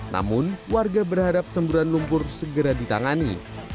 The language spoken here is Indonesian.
namun warga berharap semburan lumpur segera ditangani